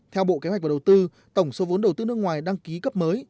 theo bộ kế hoạch và đầu tư tổng số vốn đầu tư nước ngoài đăng ký cấp mới